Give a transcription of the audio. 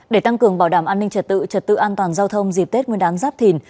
để tăng cường bảo đảm an ninh trật tự trật tự an toàn giao thông dịp tết nguyên đán giáp thìn